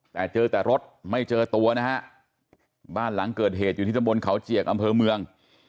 แต่เจอแต่รถไม่เจอตัวนะฮะบ้านหลังเกิดเหตุอยู่ที่ตำบลเขาเจียกอำเภอเมือง